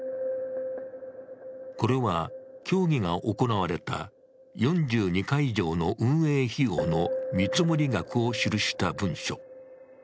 これは競技が行われた４２会場の運営費用の見積額を記した文書。